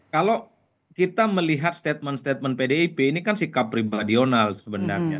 kalau kita melihat statement statement pdip ini kan sikap pribadional sebenarnya